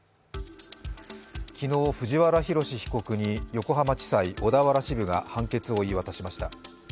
昨日、藤原宏被告に横浜地裁小田原支部が判決を言い渡しました。